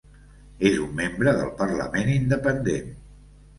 És un membre del Parlament independent.